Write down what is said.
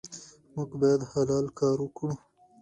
موږ باید حلال کار وکړو.